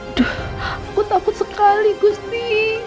aduh aku takut sekali gusti